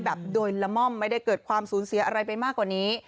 แบบโดยละม่อมไม่ได้เกิดความสูญเสียอะไรไปมากกว่านี้